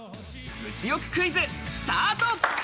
物欲クイズ、スタート！